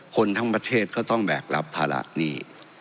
คนทั้งประเทศก็ต้องแบกรับภาระหนี้